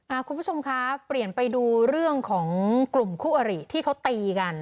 คุณผู้ชมคะเปลี่ยนไปดูเรื่องของกลุ่มคู่อริที่เขาตีกัน